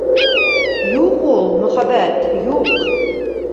Юҡ ул мөхәббәт, юҡ!